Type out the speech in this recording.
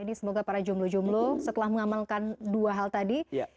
ini semoga para jumloh jumlo setelah mengamalkan dua hal tadi